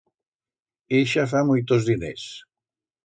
Ixa fa muitos diners.